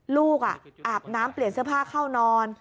อาบน้ำเปลี่ยนเสื้อผ้าเข้านอน